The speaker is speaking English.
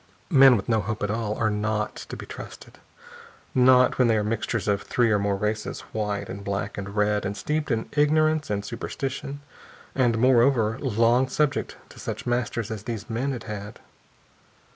Men with no hope at all are not to be trusted. Not when they are mixtures of three or more races white and black and red and steeped in ignorance and superstition and, moreover, long subject to such masters as these men had had.